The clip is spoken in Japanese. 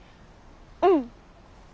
うん。